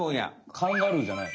カンガルーじゃない？